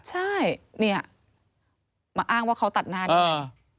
ใช่เนี่ยมาอ้างว่าเขาตัดหน้าด้วย